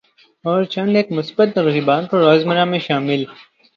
اور چند ایک مثبت ترغیبات کو روزمرہ میں شامل